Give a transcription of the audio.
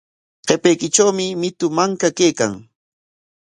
Qapaykitrawmi mitu manka kaykan.